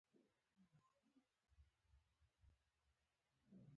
د نساجۍ ماشینونه د اصنافو له لوري منع شوي وو.